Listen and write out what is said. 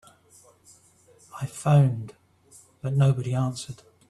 I phoned but nobody answered.